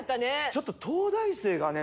ちょっと東大生がね